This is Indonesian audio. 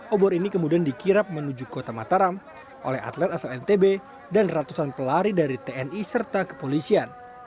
obor ini kemudian dikirap menuju kota mataram oleh atlet asal ntb dan ratusan pelari dari tni serta kepolisian